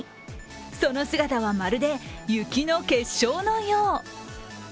その姿は、まるで雪の結晶のよう。